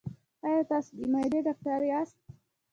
ایا تاسو د معدې ډاکټر یاست؟